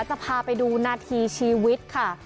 จะพาไปดูนาทีชีวิตค่ะ